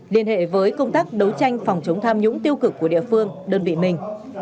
liên hệ với công tác đấu tranh phòng chống tham nhũng tiêu cực của địa phương đơn vị mình